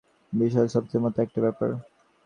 বিশাল স্তুপের মতো একটা ব্যাপার।